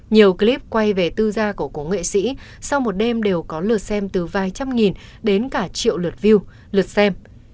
nhiều clip quay về tư gia của cổ nghệ sĩ sau một đêm đều có lượt xem từ vài trăm nghìn đến cả triệu lượt view lượt xem